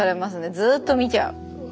ずっと見ちゃう。